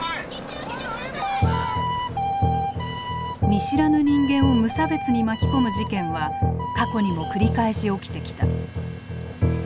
見知らぬ人間を無差別に巻き込む事件は過去にも繰り返し起きてきた。